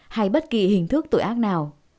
hay bất kỳ hình thức tội ác nào